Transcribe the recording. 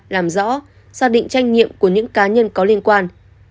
làm rõ xác định trách nhiệm của những cá nhân có liên quan